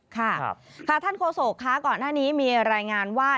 ค่ะค่ะท่านโฆษกค่ะก่อนหน้านี้มีรายงานว่า